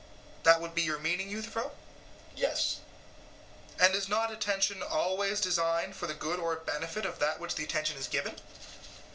that would be your meaning, Euthyphro? EUTHYPHRO: Yes. SOCRATES: And is not attention always designed for the good or benefit of that to which the attention is given?